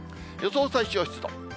予想最小湿度。